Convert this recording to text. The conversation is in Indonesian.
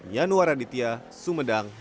yanuar aditya sumedang